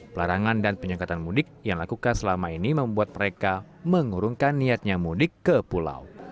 pelarangan dan penyekatan mudik yang dilakukan selama ini membuat mereka mengurungkan niatnya mudik ke pulau